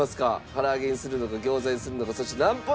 から揚げにするのか餃子にするのかそして何ポイントかけるのか？